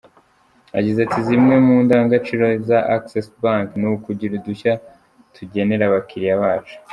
Yagize “Zimwe mu ndangagaciro za Access Bank, ni ukugira udushya tugenera abakiriya bacu.